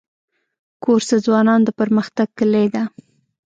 کورس د ځوانانو د پرمختګ کلۍ ده.